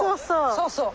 そうそう！